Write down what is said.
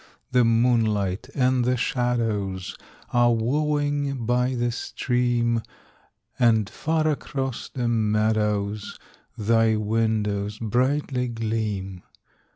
The moonlight and the shadows Are wooing by the stream, And far across the meadows Thy windows brightly gleam.